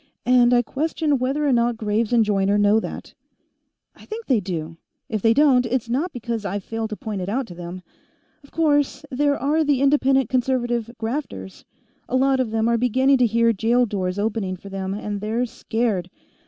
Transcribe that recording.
And I question whether or not Graves and Joyner know that." "I think they do. If they don't, it's not because I've failed to point it out to them. Of course, there are the Independent Conservative grafters; a lot of them are beginning to hear jail doors opening for them, and they're scared.